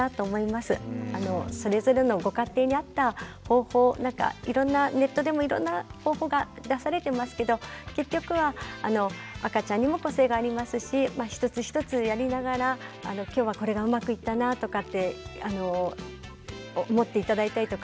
それぞれのご家庭に合った方法をいろんなネットでもいろんな方法が出されてますけど結局は赤ちゃんにも個性がありますし一つ一つやりながら今日はこれがうまくいったなとかって思って頂いたりとか。